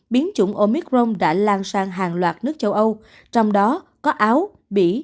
biến chủng omicron đã lan sang hàng loạt nước châu âu trong đó có áo bỉ